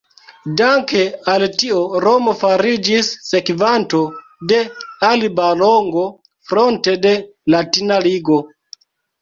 Danke al tio Romo fariĝis sekvanto de Alba Longo fronte de Latina Ligo.